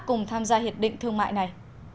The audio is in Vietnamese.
cùng tham gia hiệp định thương mại này